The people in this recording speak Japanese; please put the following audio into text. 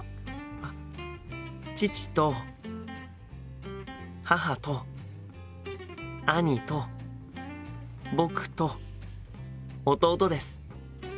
父と母と兄と僕と弟です。